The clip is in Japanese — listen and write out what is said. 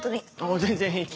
全然平気。